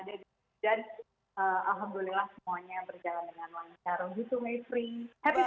dan alhamdulillah semuanya berjalan dengan lancar